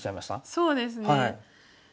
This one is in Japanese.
そうですね。